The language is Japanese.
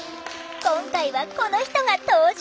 今回はこの人が登場！